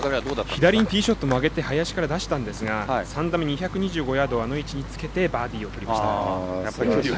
左にティーショット曲げて林から出したんですが３打目２２５ヤードをあの位置につけてバーディーパットをとりました。